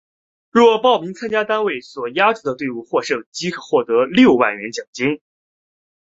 若报名参加单位所押注的队伍获胜即可获得六万元奖金。